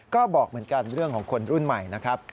ก็บอกเหมือนกันเรื่องของคนรุ่นใหม่นะครับ